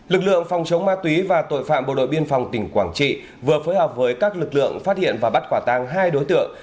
lực lượng phòng chống ma túy và tội phạm bộ đội biên phòng tỉnh quảng trị vừa phối hợp với các lực lượng phát hiện và bắt quả tang hai đối tượng